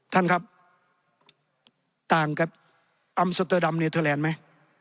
ท่านครับต่างกับอัมสเตอร์ดัมเนเทอร์แลนด์ไหม